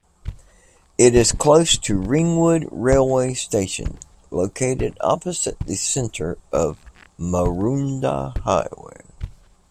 It is close to Ringwood railway station, located opposite the centre on Maroondah Highway.